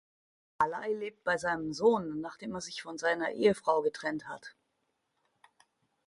Calley lebt bei seinem Sohn, nachdem er sich von seiner Ehefrau getrennt hat.